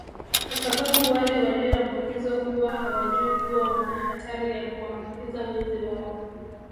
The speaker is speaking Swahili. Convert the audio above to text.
kwa sababu wale walioambukizwa huwa hawajui kuwa wana hatari ya kuwaambukiza wenzi wao